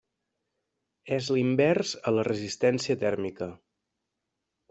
És l'invers a la resistència tèrmica.